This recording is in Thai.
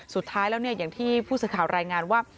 สุดท้ายแล้วอย่างที่ผู้สื่อข่าวรายงานว่า